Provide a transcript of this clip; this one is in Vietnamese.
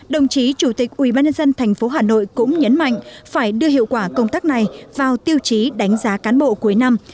đồng chí chủ tịch ubnd tp hà nội cũng nhấn mạnh phải đưa hiệu quả công tác này vào tiêu chí đánh giá cán bộ cuối năm